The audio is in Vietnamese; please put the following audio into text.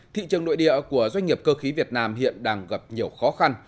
thị trường nội địa của doanh nghiệp cơ khí việt nam hiện đang gặp nhiều khó khăn